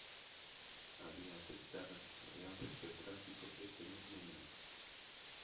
A vía afectada reábrese ao tráfico este mesmo mércores.